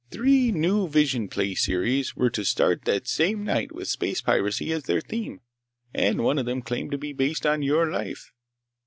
Three new vision play series were to start that same night with space piracy as their theme, and one of them claimed to be based on your life.